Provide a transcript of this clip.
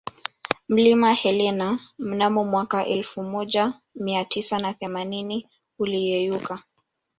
Mlima Helena mnamo mwaka elfu moja miatisa na themanini uliyeyuka